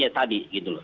ya tadi gitu loh